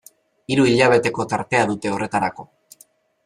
Hiru hilabeteko tartea dute horretarako.